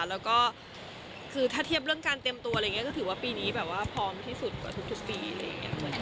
แล้วก็คือถ้าเทียบเรื่องการเตรียมตัวอะไรอย่างนี้ก็ถือว่าปีนี้แบบว่าพร้อมที่สุดกว่าทุกปีอะไรอย่างนี้